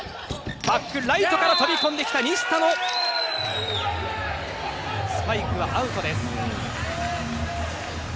バックライトから飛び込んできた西田のスパイクはアウトです。